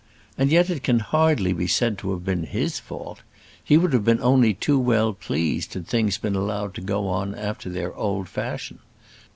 And yet it can hardly be said to have been his fault. He would have been only too well pleased had things been allowed to go on after their old fashion.